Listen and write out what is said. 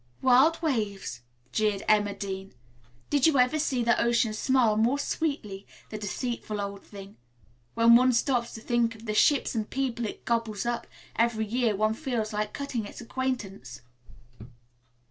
"Wild waves," jeered Emma Dean. "Did you ever see the ocean smile more sweetly, the deceitful old thing. When one stops to think of the ships and people it gobbles up every year one feels like cutting its acquaintance."